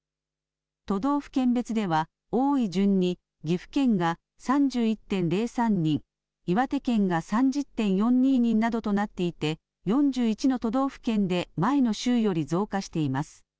都道府県別では多い順に岐阜県が３１．０３人岩手県が３０．４２人などとなっていて４１の都道府県で前の週より増加しています。